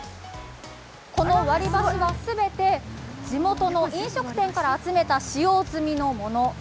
この割り箸は全て地元の飲食店から集めた使用済みのもの。